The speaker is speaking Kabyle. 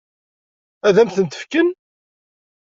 Ad m-tent-fken?